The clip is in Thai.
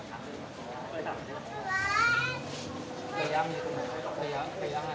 ตอนนี้ก็เป็นทิศตะวันตกตั้ง๑๗๐กิโลกรัม